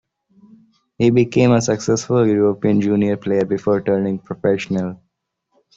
He became a successful European junior player before turning professional.